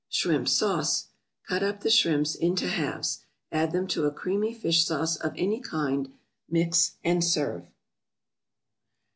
=Shrimp Sauce.= Cut up the shrimps into halves, add them to a creamy fish sauce of any kind; mix and serve.